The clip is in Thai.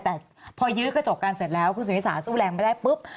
แต่พอยื้อกระจกกันเสร็จแล้วคุณสุนิสาสู้แรงไม่ได้ปุ๊บ